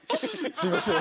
すいません！